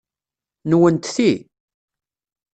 Nwent ti?